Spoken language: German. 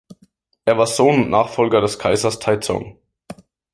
Er war Sohn und Nachfolger des Kaisers Taizong.